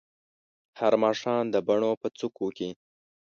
هر ماښام د بڼو په څوکو کې